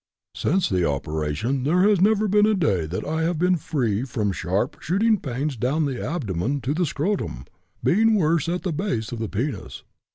Since the operation there has never been a day that I have been free from sharp, shooting pains down the abdomen to the scrotum, being worse at the base of the penis.